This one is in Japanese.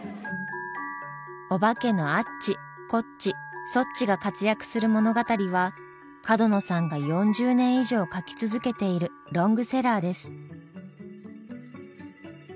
おばけのアッチコッチソッチが活躍する物語は角野さんが４０年以上書き続けているロングセラーです。